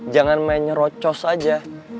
jangan main nyerocos aja